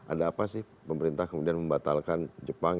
ada apa sih pemerintah kemudian membatalkan jepang